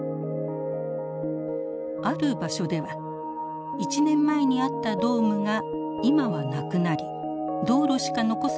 ある場所では１年前にあったドームが今はなくなり道路しか残されていないように見えます。